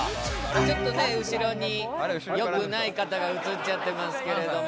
ちょっとね後ろによくない方が映っちゃってますけれども。